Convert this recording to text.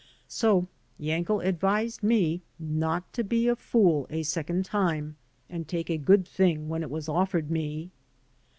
So Yankel advised me not to be a fool a second time and take a good thing when it was offered me.